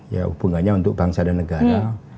ya hubungannya untuk bangsa dan negara